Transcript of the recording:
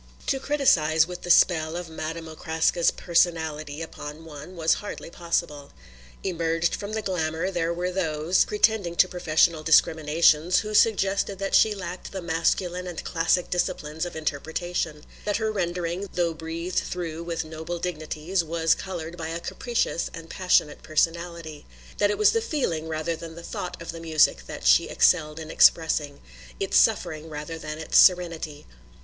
To criticize with the spell of Madame Okraska's personality upon one was hardly possible. Emerged from the glamour, there were those, pretending to professional discriminations, who suggested that she lacked the masculine and classic disciplines of interpretation; that her rendering, though breathed through with noble dignities, was coloured by a capricious and passionate personality; that it was the feeling rather than the thought of the music that she excelled in expressing, its suffering rather than its serenity.